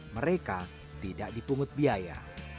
mereka tidak dipungut biaya